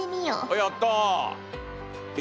やった！え？